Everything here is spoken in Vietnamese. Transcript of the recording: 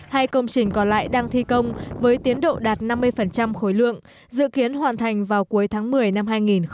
hai công trình còn lại đang thi công với tiến độ đạt năm mươi khối lượng dự kiến hoàn thành vào cuối tháng một mươi năm hai nghìn hai mươi